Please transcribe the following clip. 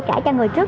trả cho người trước